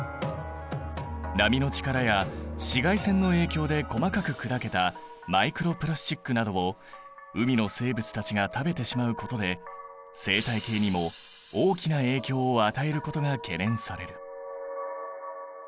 波の力や紫外線の影響で細かく砕けたマイクロプラスチックなどを海の生物たちが食べてしまうことで生態系にも大きな影響を与えることが懸念される。